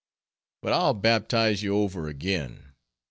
But I'll baptize you over again.